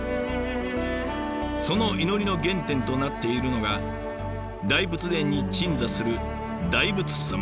その祈りの原点となっているのが大仏殿に鎮座する大仏様。